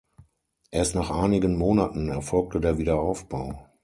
Erst nach einigen Monaten erfolgte der Wiederaufbau.